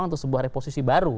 untuk sebuah reposisi baru